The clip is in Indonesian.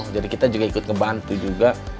jadi kita juga ikut ngebantu juga